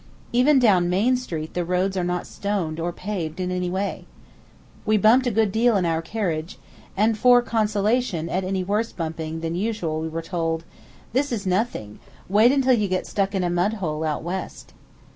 Even down Main Street the roads are not stoned or paved in any way. We bumped a good deal in our carriage, and for consolation at any worse bumping than usual were told, "This is nothing, wait until you get stuck in a mud hole out west."